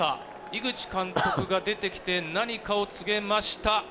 井口監督が出てきて、何かを告げました。